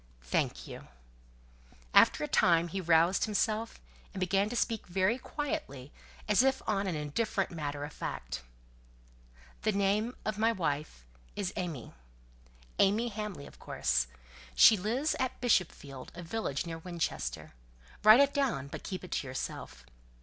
"Thank you." After a time he roused himself, and began to speak very quietly, as if on an indifferent matter of fact. "The name of my wife is AimÄe. AimÄe Hamley, of course. She lives at Bishopsfield, a village near Winchester. Write it down, but keep it to yourself.